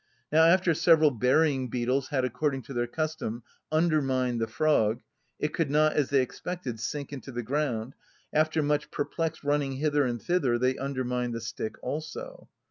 Now after several burying‐beetles had, according to their custom, undermined the frog, it could not, as they expected, sink into the ground; after much perplexed running hither and thither they undermined the stick also.